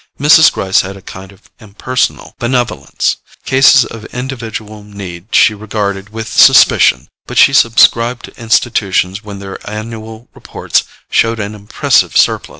Mrs. Gryce had a kind of impersonal benevolence: cases of individual need she regarded with suspicion, but she subscribed to Institutions when their annual reports showed an impressive surplus.